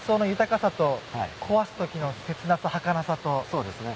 そうですね。